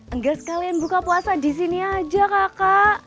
enggak sekalian buka puasa di sini aja kakak